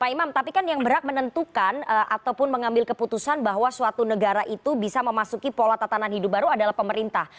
pak imam tapi kan yang berhak menentukan ataupun mengambil keputusan bahwa suatu negara itu bisa memasuki pola tatanan hidup baru adalah pemerintah